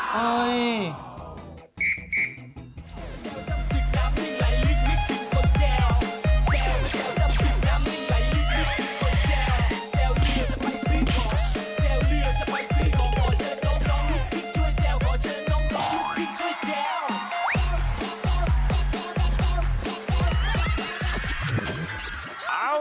ฮะ